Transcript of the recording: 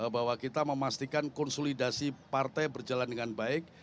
bahwa kita memastikan konsolidasi partai berjalan dengan baik